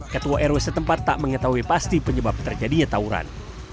ketua rw setempat tak mengetahui pasti penyebab terjadinya tawuran